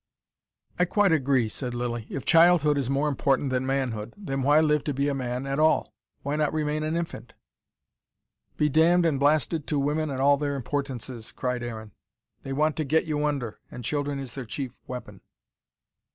"I quite agree," said Lilly. "If childhood is more important than manhood, then why live to be a man at all? Why not remain an infant?" "Be damned and blasted to women and all their importances," cried Aaron. "They want to get you under, and children is their chief weapon."